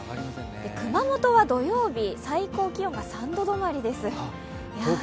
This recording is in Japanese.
熊本は土曜日、最高気温が３度止まりです。